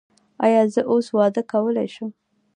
ایا زه اوس واده کولی شم؟